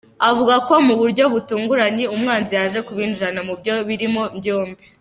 Avuga ko mu buryo butunguranyi umwanzi yaje kubinjirana muri byo birindiro byombi.